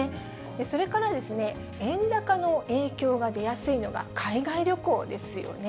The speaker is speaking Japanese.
それから円高の影響が出やすいのが、海外旅行ですよね。